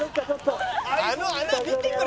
「あの穴見てくれ。